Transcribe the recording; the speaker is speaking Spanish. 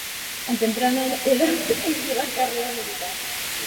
A temprana edad inició la carrera militar.